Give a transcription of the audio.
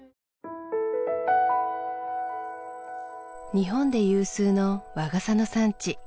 日本で有数の和傘の産地